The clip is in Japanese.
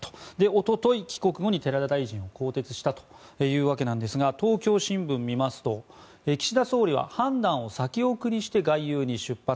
おととい、帰国後に寺田大臣を更迭したというわけですが東京新聞を見ますと岸田総理は判断を先送りして外遊に出発。